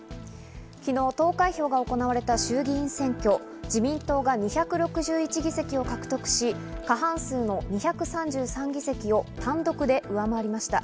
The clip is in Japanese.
昨日、投開票が行われた衆議院選挙、自民党が２６１議席を獲得し、過半数の２３３議席を単独で上回りました。